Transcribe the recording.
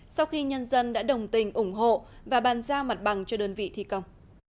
sau khi nhân dân đã đồng tình ủng hộ và bàn giao mặt bằng cho đơn vị thi công